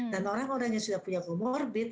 dan orang orang yang sudah punya komorbit